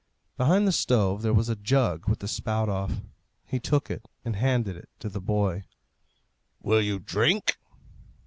Behind the stove there was a jug with the spout off. He took it and handed it to the boy. "Will you drink?"